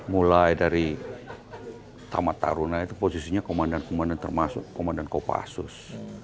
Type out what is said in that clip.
mulai dari tamat taruna itu posisinya komandan komandan termasuk komandan kopassus